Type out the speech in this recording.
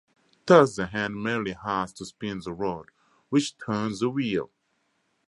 Thus, the hand merely has to spin the rod, which turns the wheel.